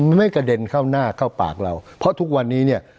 ไม่กระเด็นเข้าหน้าเข้าปากเราเพราะทุกวันนี้เนี่ย